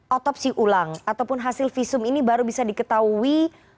otopsi ulang ataupun hasil visum ini baru bisa diketahui